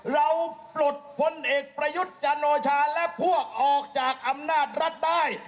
เราปลดพลเอกประยุทธ์จันโอชาและพวกออกจากอำนาจรัฐได้